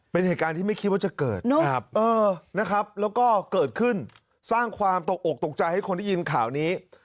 เป็นเหตุการณ์ที่ไม่คิดว่าจะเกิดนะครับแล้วก็เกิดขึ้นสร้างความตกอกตกใจให้คนได้ยินข่าวนี้